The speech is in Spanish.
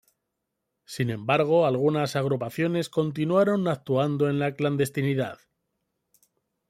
Sin embargo, algunas agrupaciones continuaron actuando en la clandestinidad.